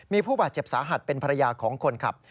มีผู้บาดเจ็บสาหัสเป็นภรรยาของคนขับ